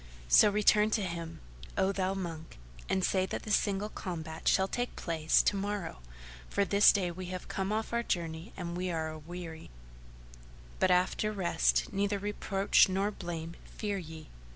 So return to him, O thou monk, and say that the single combat shall take place to morrow, for this day we have come off our journey and are aweary; but after rest neither reproach nor blame fear ye."